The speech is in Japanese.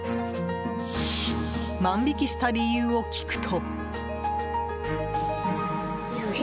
万引きした理由を聞くと。